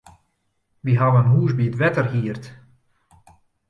Wy hawwe in hûs by it wetter hierd.